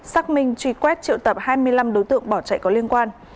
xác minh truy quét triệu tập hai mươi năm đối tượng bỏ chạy có liên quan